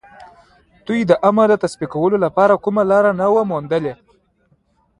دوی د امر د تطبيقولو لپاره کومه لاره نه وه موندلې.